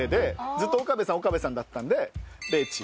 ずっと「岡部さん岡部さん」だったのでべいちー。